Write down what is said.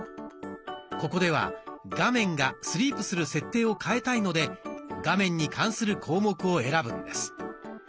ここでは画面がスリープする設定を変えたいので画面に関する項目を選ぶんです。